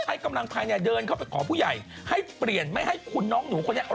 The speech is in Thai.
เขาออกนางโพสต์ไอจีกิตัดขอโชคชะตา